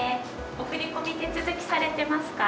お振込み手続きされてますか。